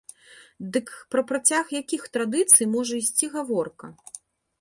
Дык пра працяг якіх традыцый можа ісці гаворка?!